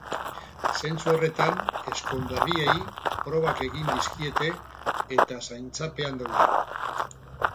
Zentzu horretan, ezkonberriei probak egin dizkiete, eta zaintzapean daude.